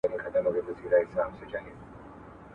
حرفوي کسانو ته باید د کار زمینه برابره سي.